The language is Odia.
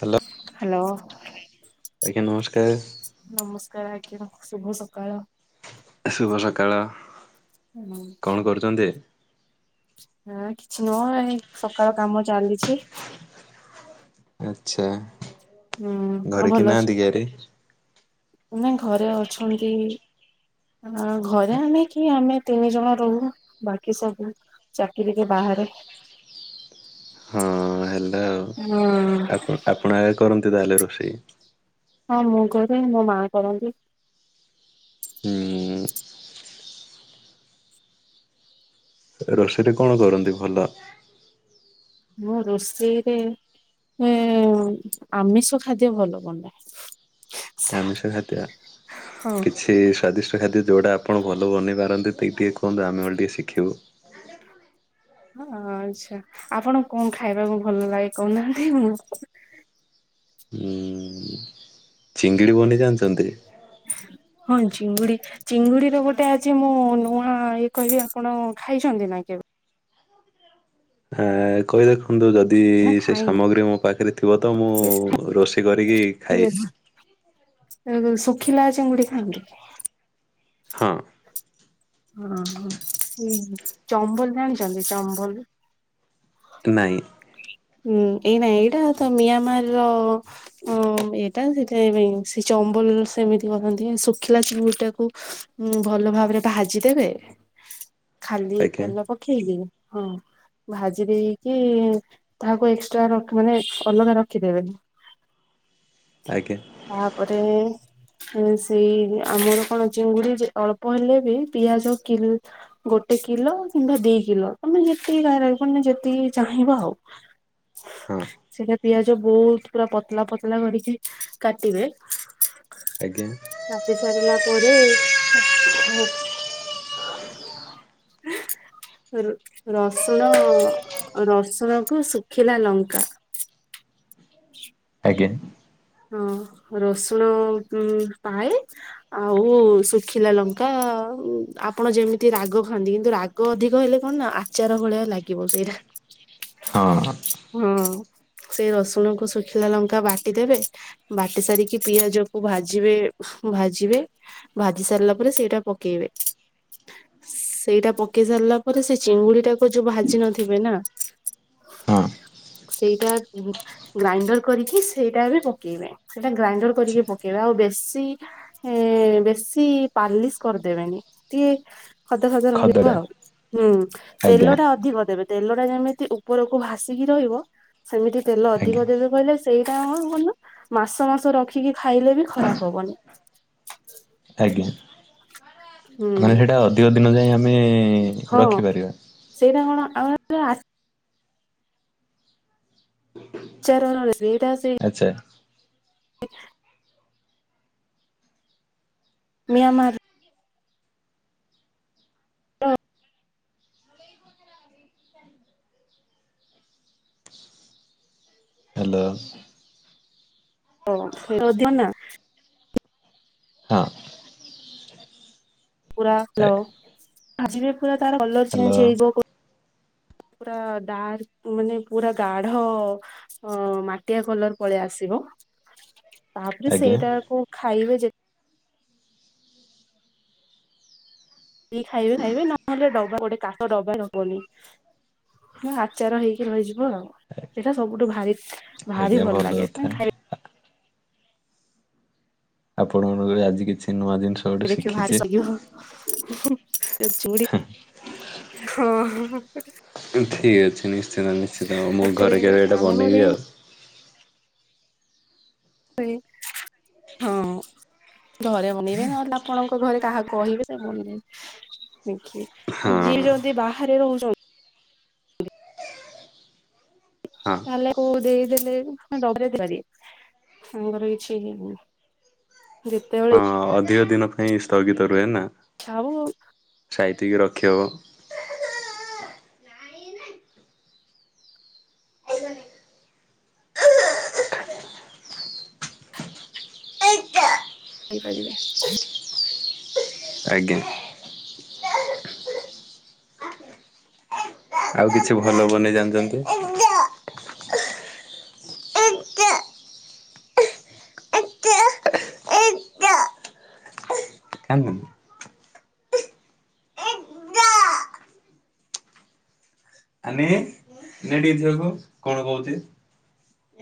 Hello hello. ଆଜ୍ଞା ନମସ୍କାର। ନମସ୍କାର ଆଜ୍ଞା, ଶୁଭ ସକାଳ। ଶୁଭ ସକାଳ। କଣ କରୁଚନ୍ତି? ହଁ କିଛି ନୁହଁ, ଏଇ ସକାଳ କାମ ଚାଲିଛି। ଆଚ୍ଛା ହୁଁ ଘରେ କିଏ ନାହାନ୍ତି କି ଆରେ? ନାଇ ଘରେ ଅଛନ୍ତି। ଅ, ଘରେ ଆମେ କିଏ? ଆମେ ତିନି ଜଣ ରହୁ। ବାକି ସବୁ ଚାକିରି କି ବା ହାରେ। ହଁ ହେଲୋ। ହୁଁ ଆପଣ ଆପଣ ଆଗ କରନ୍ତି ତାହେଲେ ରୋଷେଇ? ହଁ ମୁଁ କରେ। ମୋ ମା କରନ୍ତି। ହୁଁ ରୋଷେଇରେ କଣ କରନ୍ତି ଭଲ? ମୁଁ ରୋଷେଇରେ ଏ ଆମିଷ ଖାଦ୍ୟ ଭଲ ବନାଏ। ଆମିଷ ଖାଦ୍ୟ, ହଁ। କିଛି ସ୍ଵାଦିଷ୍ଟ ଖାଦ୍ୟ ଯୋଉଟା ଆପଣ ଭଲ ବନେଇ ପାରନ୍ତି। ଟିକେ ଟିକେ କୁହନ୍ତୁ ଆମେ ଅଲ ଟିକେ ଶିଖିବୁ। ହଁ, ଆଚ୍ଛା ଆପଣ କଣ ଖାଇବାକୁ ଭଲ ଲାଗେ କହୁନାହାନ୍ତି? ମୁଁ ମୁଁ ଚିଙ୍ଗିଡି ବନେଇ ଜାଣିଚନ୍ତି? ହଁ ଚିଙ୍ଗୁଡି, ଚିଙ୍ଗୁଡିର ଗୋଟେ ଅଛି ମୁଁ ନୂଆ ଇଏ କହିବି ଆପଣ ଖାଇଛନ୍ତି ନାଇଁ କେବେ? ଆ, କହି ଦେଖନ୍ତୁ ଯଦି ନା ସେ ଖାଇନି ସାମଗ୍ରୀ ମୋ ପାଖରେ ଥିବ ତ ମୁଁ ରୋଷେଇ କରିକି ଖାଇ ଏ, ଅ, ଶୁଖିଲା ଚିଙ୍ଗୁଡି ଖାଆନ୍ତି କି? ହଁ ହ ହ ଉ ଚମ୍ବଲ ଜାଣିଛନ୍ତି ଚମ୍ବଲ? ନାହିଁ। ହୁଁ ଏଇ ନାଇ ଏଇଟା ତ ମିଆଁମାର ର ଏଇଟା ସେ ଥିପାଇ ଚମ୍ବଲ୍, ସେମିତି କରନ୍ତି ଶୁଖିଲା ଚଙ୍ଗଟାକୁ ଭଲ ଭାବରେ ଭାଜିଦେବେ ଖାଲି ଆଜ୍ଞା ତେଲ ପକେଇକି ହଁ ଭାଜି ଦେଇକି ତାହାକୁ ଏକ୍ସଟ୍ରା ରକି ମାନେ ଅଲଗା ରଖିଦେବେନି। ହଁ। ତାପରେ ସେଇ ଆମର କଣ ଚିଙ୍ଗୁଡି ଯେ ଅଳ୍ପ ହେଲେ ପିଆଜ କିଲ ଗୋଟେ କିଲୋ କିମ୍ବା ଦି କିଲୋ ତମେ ଯେତିକି ମାନେ ଯେତିକି ଚାହିଁବ ଆଉ ହଁ ସେଇଟା ପିଆଜ ବହୁତ ପୁରା ପତଲା ପତଲା କରିକି କାଟିବେ ଆଜ୍ଞା। ରାତି ସାରିଲା ପରେ [inaudible] ର ରସୁଣ ରସୁଣ କୁ ଶୁଖିଲା ଲଙ୍କା ଗେନ୍ ହଁ ରସୁଣ ଉ ପାଏ ଆଉ ଶୁଖିଲା ଲଙ୍କା ଆପଣ ଯେମିତି ରାଗ ଖାନ୍ତି କିନ୍ତୁ ରାଗ ଅଧିକ ହେଲେ କଣ ନା ଆଚାର ଭଳିଆ ଲାଗିବ ସେଇଟା। ହଁ। ହଁ ସେଇ ରସୁଣକୁ ଶୁଖିଲା ଲଙ୍କା ବାଟି ଦେବେ ବାଟି ସାରିକି ପିଆଜ କୁ ଭାଜିବେ ଭାଜିବେ ଭାଜି ସାରିଲା ପରେ ସେଇଟା ପ ପକେଇବେ ସେଇଟା ପକେଇ ସାରିଲା ପରେ ସେ ଚିଙ୍ଗୁଡି ଟାକୁ ଯୋଉ ଭାଜି ନଥିବେ ନା ହଁ। ସେଇଟା ଗ୍ରାଇଣ୍ଡର କରିକି ସେଇଟା ଏବେ ପ କେଇବେ। ସେଟା ଗ୍ରାଇଣ୍ଡର କରିକି ପକେଇବେ ଆଉ ବେଶୀ ବେଶୀ ପାଲିସ କର ଦେବେନି ଟିକେ ଖଦ ଖଦ ରହିବ ଖଦଡ଼ା ଆଉ। ହୁଁ ଆଜ୍ଞା ତେଲ ଟା ଅଧିକ ଦେବେ ତେଲ ଟା ଯେମିତି ଉପରକୁ ଭାସିକି ରହିବ ସେମିତି ତେଲ ଆଜ୍ଞା। ଅଧିକ ଦେବେ କହିଲେ ସେଇଟା [unintelligible] ମାସ ମାସ ରଖିକି ଖାଇଲେ ବି ଖରାପ ହବନି ଆଜ୍ଞା। ମାନେ ହୁଁ ସେଇଟା ଅଧିକ ଦିନ ଯାଏ ଆମ ଆମେ ରଖିପାରିବା ଆସ ଚାରରେ ଆଚ୍ଛା। ମିଆମାର। ହ୍ୟାଲୋ। ଓ। ହଁ। ପୁରା ଆଜିିବି ପୁରା ତାର କଲର ହ୍ୟାଲୋ ଚେଞ୍ଜ ହେଇଯିବ। [inaudible] ପୁରା ଡାର୍କ ମାନେ ପୁରା ଗାଢ ମାଟିଆ କଲର ପଳେଇ ଆସିବ ହ [unintelligible] ତାପରେ ସେଇଟା କୁ ଖାଇବେ ଯେ ଖାଇବେ ଖାଇବେ ନହେଲେ ଡବା ଗୋଟେ କାଠ ଡବା ନବଉନି ନା ଆଚାର ହେଇକି ରହିଛି ହୁ ସେଇଟା ସବୁଠୁ ଭାରି ଭାରି ଆଜ୍ଞା ଭଲ ଲାଗେ କଥା। ଖାଇବା ଆପଣ ମାନଙ୍କ ଆଜି କିଛି ନୂଆ ଜିନିଷ ଗୋଟେ ଦେଖ ଶିଖିଛି। ଭାରି [unintelligible] ଚୁଡି ହଁ। ଠିକ୍ ଅଛି ନିଶ୍ଚନ୍ତ ନିଶ୍ଚନ୍ତ ଉ ମୁଁ ଘରେ ହୁଏନି କେବେ ଏଇଟା ଆମ ଘରେ ବନେଇବି ଆଉ। [unintelligible] ହଁ। ଘରେ ବନେଇବେନି ନହେଲେ ଆପଣଙ୍କ ଘରେ କାହାକୁ କହିବେ ତା ବନେଇ ଦେ ଆଉ ଯିଏ ହଁ। ଯଦି ବାହାରେ ରୋହୁଚ ହଁ ତାହଲେ କ ଦେଇଦେଲେ [unintelligible] ତାଙ୍କର କିଛିଇ ଯେତେବେଳ ଦଇ ଦିନ ପାଇଁ ସ୍ଥଗିତ ରୁହେ ନା। ଆଉ। ସାଇତିକି ରଖିବ। ଆଜ୍ଞା ଖାଇ ପାରିବେ। ଆଜ୍ଞା। ଆଉ କିଛି ଭଲ ବନେଇ ଜାଣିଛନ୍ତି। କାନ୍ଦୁନି ଆ ନ ନେ ଟିକେ ଝିଅ କୁ କଣ କହୁଛି।